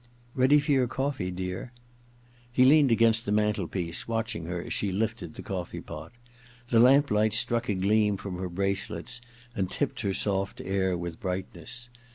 * Ready for your coffee, dear ?* He leaned against the mantelpiece, watching her as she lifted the coffee pot. The lamplight struck a gleam from her bracelets and tipped her soft hair with brightness.